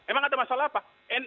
emang ada masalah apa